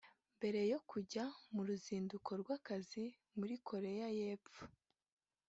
Mbere yo kujya mu ruzinduko rw’akazi muri Koreya y’Epfo